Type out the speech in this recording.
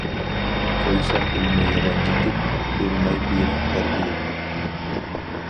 قويسام بىلمەي رەنجىتىپ، ئۇرماي بېرىڭ تەربىيە.